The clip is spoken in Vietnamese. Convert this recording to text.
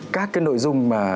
các nội dung mà